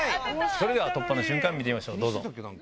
それでは突破の瞬間見てみましょう。